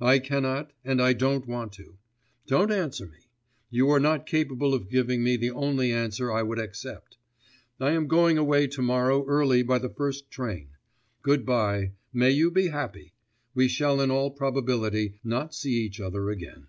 I cannot and I don't want to. Don't answer me. You are not capable of giving me the only answer I would accept. I am going away to morrow early by the first train. Good bye, may you be happy! We shall in all probability not see each other again.